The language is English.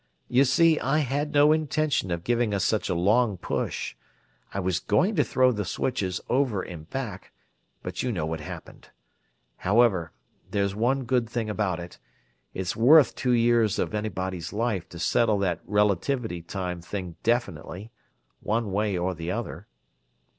You see, I had no intention of giving us such a long push. I was going to throw the switches over and back, but you know what happened. However, there's one good thing about it it's worth two years of anybody's life to settle that relativity time thing definitely, one way or the other."